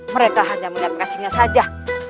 mereka hanya melihat kasihnya saja